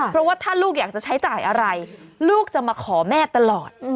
เพราะว่าถ้าลูกอยากจะใช้จ่ายอะไรลูกจะมาขอแม่ตลอด